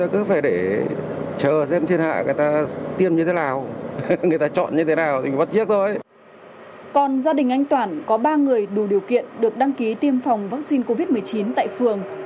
còn gia đình anh toản có ba người đủ điều kiện được đăng ký tiêm phòng vaccine covid một mươi chín tại phường